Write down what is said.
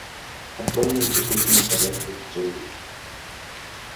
Actualmente es una carrera de un solo día.